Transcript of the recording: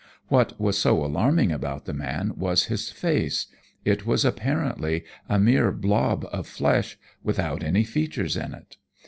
What was so alarming about the man was his face it was apparently a mere blob of flesh without any features in it.